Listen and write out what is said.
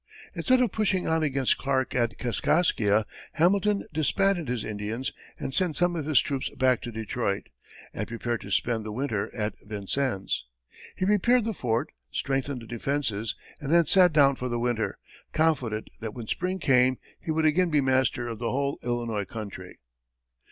Instead of pushing on against Clark at Kaskaskia, Hamilton disbanded his Indians and sent some of his troops back to Detroit, and prepared to spend the winter at Vincennes. He repaired the fort, strengthened the defenses, and then sat down for the winter, confident that when spring came, he would again be master of the whole Illinois country.